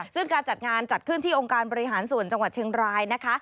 ซึ่งการจัดงานจัดขึ้นที่องค์การบริหารส่วนจังหวัดเชียงรายนะคะ